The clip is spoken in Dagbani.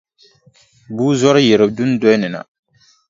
Bua zɔri yiri dundolini na.